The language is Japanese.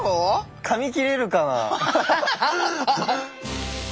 かみ切れるかな。